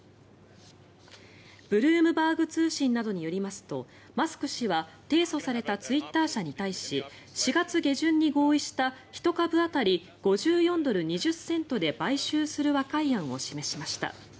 ブルームバーグ通信などによりますとマスク氏は提訴されたツイッター社に対し４月下旬に合意した１株当たり５４ドル２０セントで買収する和解案を示しました。